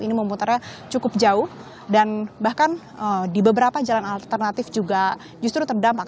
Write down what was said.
ini memutarnya cukup jauh dan bahkan di beberapa jalan alternatif juga justru terdampak